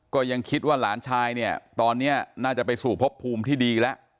ก็ยังคิดว่าหลานชายเนี่ยตอนนี้น่าจะไปสู่พบภูมิที่ดีแล้ว